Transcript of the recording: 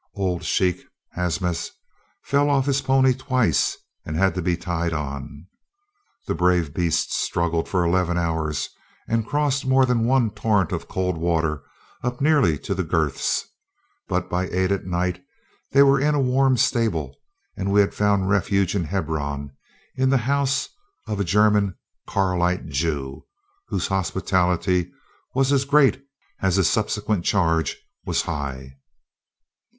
Old Sheikh Hamzeh fell off his pony twice, and had to be tied on. The brave beasts struggled for eleven hours, and crossed more than one torrent of cold water up nearly to the girths, but by eight at night they were in a warm stable, and we had found refuge in Hebron in the house of a German Karaite Jew, whose hospitality was as great as his subsequent charge was high."